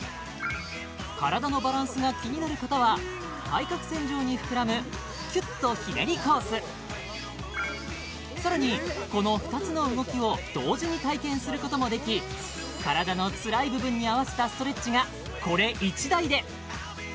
体のバランスが気になる方は対角線上に膨らむさらにこの２つの動きを同時に体験することもでき体のつらい部分に合わせたストレッチがこれ１台で！